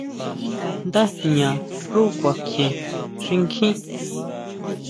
Ndajña xú kuakjien xinkjín.